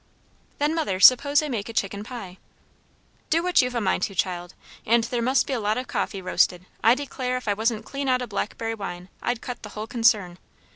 "Then, mother, suppose I make a chicken pie?" "Do what you've a mind to, child. And there must be a lot o' coffee roasted. I declare, if I wasn't clean out o' blackberry wine, I'd cut the whole concern.